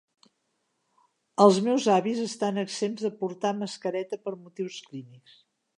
Els meus avis estan exempts de porta mascareta per motius clínics.